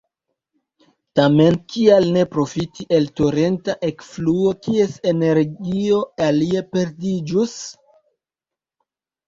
Tamen kial ne profiti el torenta akvofluo kies energio alie perdiĝus?